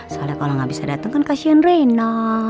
soalnya kalau gak bisa dateng kan kasihan rena